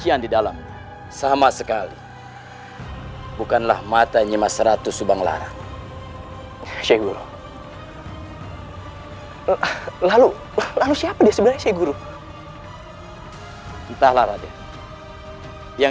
akhirnya aku bisa menemukan raden